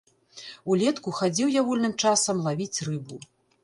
Улетку хадзіў я вольным часам лавіць рыбу.